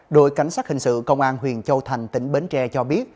đội cảnh sát hình sự công an huyện châu thành tỉnh bến tre cho biết